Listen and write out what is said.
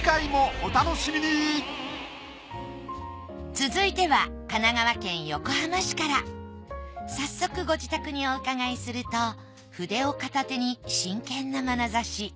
続いては早速ご自宅にお伺いすると筆を片手に真剣なまなざし。